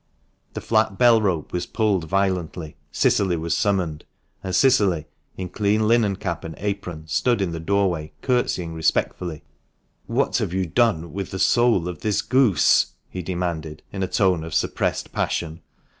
The flat bell rope was pulled violently. Cicily was summoned, and Cicily, in clean linen cap and apron, stood in the doorway curtseying respectfully. " What have you done with the soul of this goose ?" he demanded, in a tone of suppressed passion.